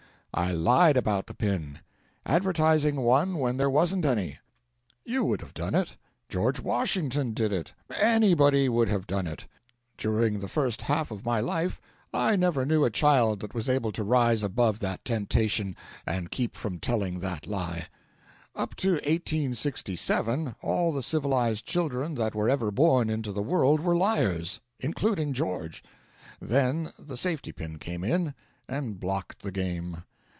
I lied about the pin advertising one when there wasn't any. You would have done it; George Washington did it, anybody would have done it. During the first half of my life I never knew a child that was able to rise about that temptation and keep from telling that lie. Up to 1867 all the civilised children that were ever born into the world were liars including George. Then the safety pin came in and blocked the game.